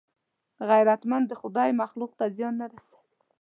غیرتمند د خدای مخلوق ته زیان نه رسوي